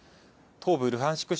東部ルハンシク